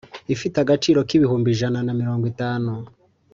ifite agaciro k’ibihumbi ijana na mirongo itanu